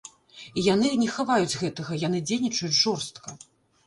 І яны не хаваюць гэтага, яны дзейнічаюць жорстка.